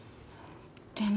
でも。